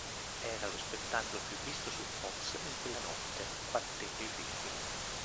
Era lo spettacolo più visto su Fox in quella notte, battendo "I Griffin".